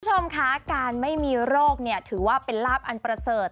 คุณผู้ชมคะการไม่มีโรคเนี่ยถือว่าเป็นลาบอันประเสริฐ